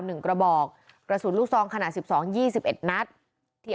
กระบอกกระสุนลูกซองขนาดสิบสองยี่สิบเอ็ดนัดที่